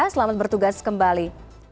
selamat bertugas kembali